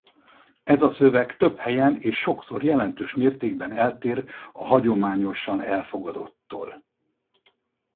Ez a szöveg több helyen és sokszor jelentős mértékben eltér a hagyományosan elfogadottól.